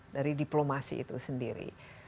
dari diplomasi itu sendiri